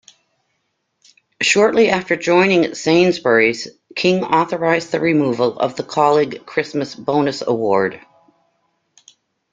Shortly after joining Sainsbury's, King authorised the removal of the Colleague Christmas Bonus award.